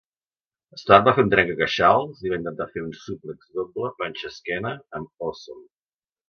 Storm va fer un trenca-queixals i va intentar fer un suplex doble panxa a esquena amb Awesome.